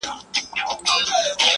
هغوی د پېښي انځورونه اخلي,